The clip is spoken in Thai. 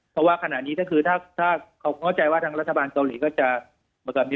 เพราะว่าขนาดนี้ถ้าเขาเข้าใจว่าทางรัฐบาลเกาหลีก็จะมาซักกรรมให้